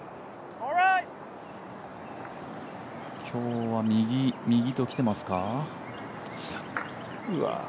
今日は右と来てますか。